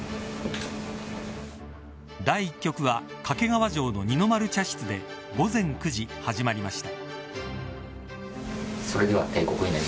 第１局は掛川城の二の丸茶室で午前９時、始まりました。